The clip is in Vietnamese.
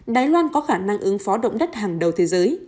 đài loan có khả năng ứng phó động đất hàng đầu thế giới